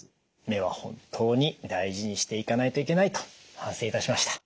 目は本当に大事にしていかないといけないと反省いたしました。